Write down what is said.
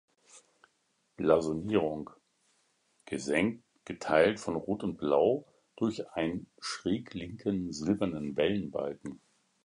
Blasonierung: „Gesenkt geteilt von Rot und Blau durch einen schräglinken silbernen Wellenbalken.